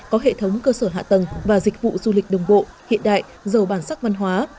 có hệ thống cơ sở hạ tầng và dịch vụ du lịch đồng bộ hiện đại giàu bản sắc văn hóa